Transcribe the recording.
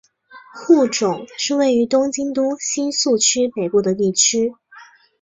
户冢是位于东京都新宿区北部的地区。